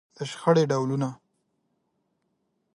د شخړې ډولونه.